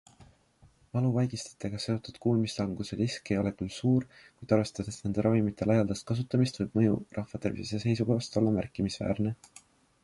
Valuvaigistitega seotud kuulmislanguse risk ei ole küll suur, kuid arvestades nende ravimite laialdast kasutamist, võib mõju rahvatervise seisukohast olla märkimisväärne.